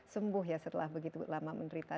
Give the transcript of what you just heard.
sembuh ya setelah begitu lama menderita